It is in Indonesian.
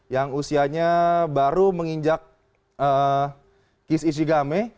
yang usianya baru menginjak kis ishigame